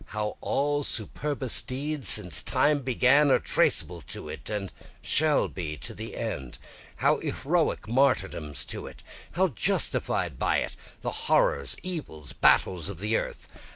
How all superbest deeds since Time began are traceable to it and shall be to the end! How all heroic martyrdoms to it! How, justified by it, the horrors, evils, battles of the earth!